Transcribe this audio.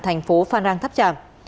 thành phố phan rang tháp tràm